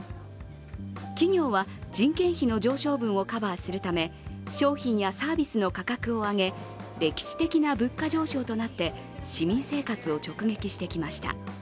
企業は人件費の上昇分をカバーするため商品やサービスの価格を上げ歴史的な物価上昇となって市民生活を直撃してきました。